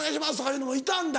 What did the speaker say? いうのもいたんだ。